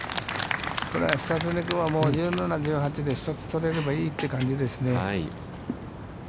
これは久常君は、もう１７、１８で１つ取れればいいという感じですね。